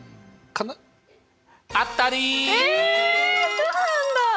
そうなんだ！